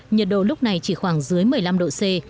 nhiệt độ lúc này chỉ khoảng dưới một mươi năm độ c